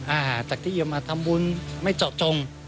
อ่าจากที่ยืมมาทำบุญไม่เจาะจง